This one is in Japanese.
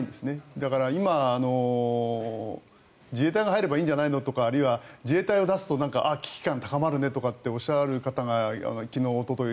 だから、今、自衛隊が入ればいいんじゃないのとかあるいは自衛隊を出すと危機感が高まるねっておっしゃられる方が昨日おととい